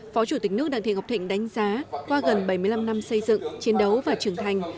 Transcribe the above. phó chủ tịch nước đặng thị ngọc thịnh đánh giá qua gần bảy mươi năm năm xây dựng chiến đấu và trưởng thành